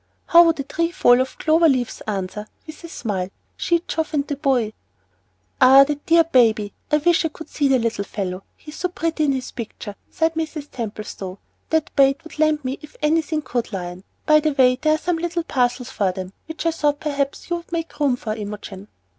"How would a trefoil of clover leaves answer?" with a smile, "she, Geoff, and the boy." "Ah, that dear baby. I wish I could see the little fellow. He is so pretty in his picture," sighed Mrs. Templestowe. "That bait would land me if anything could, Lion. By the way, there are some little parcels for them, which I thought perhaps you would make room for, Imogen."